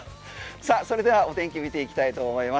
さあそれではお天気見ていきたいと思います。